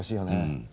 うん。